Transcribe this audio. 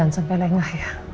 jangan sampai lengah ya